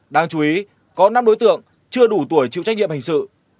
đáng chú ý có năm đối tượng chưa đủ tuổi chịu trách nhiệm hình sự